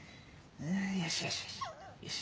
よしよしよしよし。